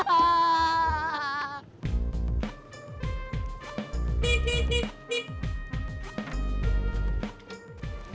tidak ada seharusnya